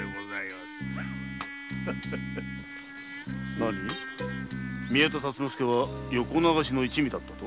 何宮田達之助は横流しの一味だったと？